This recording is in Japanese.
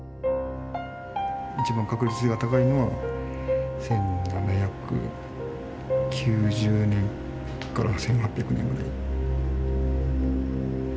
一番確率が高いのは１７９０年から１８００年ぐらい。